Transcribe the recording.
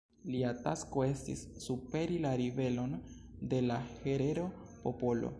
Lia tasko estis superi la ribelon de la herero-popolo.